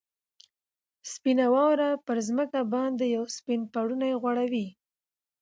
سپینه واوره پر مځکه باندې یو سپین پړونی غوړوي.